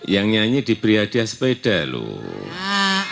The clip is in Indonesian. yang nyanyi di pria di aspeda loh